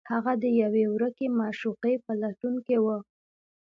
هغه د یوې ورکې معشوقې په لټون کې و